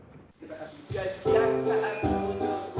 jangan jangan jangan